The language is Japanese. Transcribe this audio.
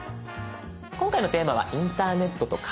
今回のテーマは「インターネットとカメラ」です。